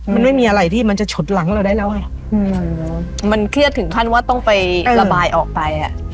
มันไม่มีอะไรที่มันจะฉุดหลังเราได้แล้วไงมันเครียดถึงขั้นว่าต้องไประบายออกไปอ่ะ